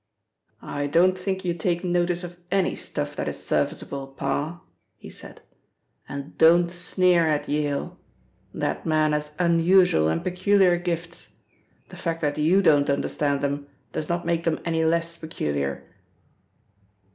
"I don't think you take notice of any stuff that is serviceable. Parr," he said, "and don't sneer at Yale. That man has unusual and peculiar gifts. The fact that you don't understand them does not make them any less peculiar."